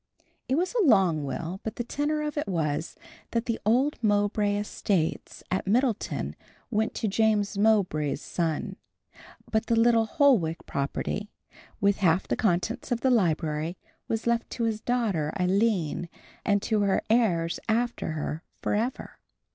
It was a long will, but the tenour of it was, that the old Mowbray estates at Middleton went to James Mowbray's son, but the little Holwick property, with half the contents of the library, was left to his daughter, Aline, and to her heirs after her forever.